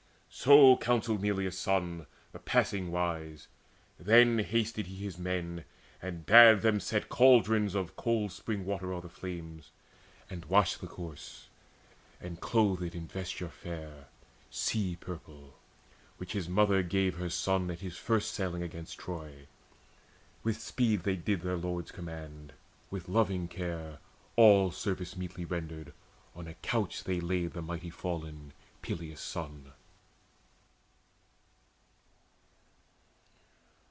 So counselled Neleus' son, the passing wise. Then hasted he his men, and bade them set Caldrons of cold spring water o'er the flames, And wash the corse, and clothe in vesture fair, Sea purple, which his mother gave her son At his first sailing against Troy. With speed They did their lord's command: with loving care, All service meetly rendered, on a couch Laid they the mighty fallen, Peleus' son.